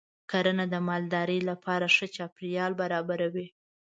کرنه د مالدارۍ لپاره ښه چاپېریال برابروي.